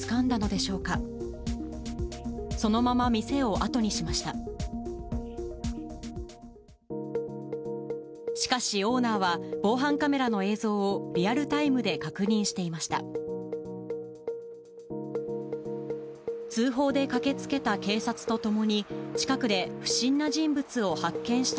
しかしオーナーは、防犯カメラの映像をリアルタイムで確認していました。